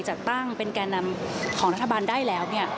จัดตั้งเป็นแก่นำของรัฐบาลได้แล้ว